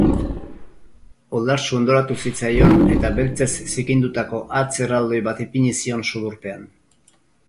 Oldartsu ondoratu zitzaion eta beltzez zikindutako hatz erraldoi bat ipini zion sudurpean.